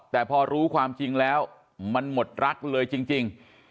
แต่พอรู้ความจริงแล้วมันหมดรักเลยจริง